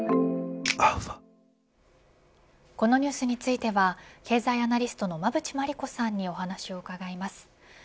このニュースについては経済アナリストの馬渕磨理子さんにお話を伺います。